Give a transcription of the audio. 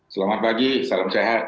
selamat pagi salam sehat